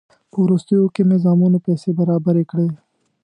په وروستیو کې مې زامنو پیسې برابرې کړې.